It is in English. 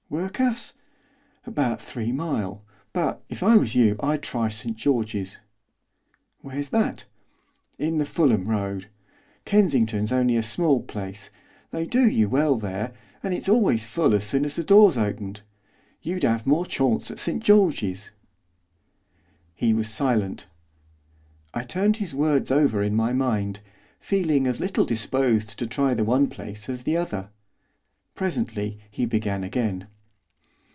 'Work'us? about three mile; but, if I was you, I'd try St George's.' 'Where's that?' 'In the Fulham Road. Kensington's only a small place, they do you well there, and it's always full as soon as the door's opened; you'd 'ave more chawnce at St George's.' He was silent. I turned his words over in my mind, feeling as little disposed to try the one place as the other. Presently he began again.